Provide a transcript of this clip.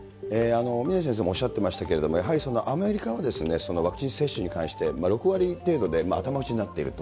峰先生もおっしゃっていましたけれども、やはりアメリカはワクチン接種に関して６割程度で頭打ちになっていると。